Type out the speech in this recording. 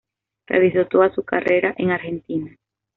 Realizó toda su carrera en Argentina.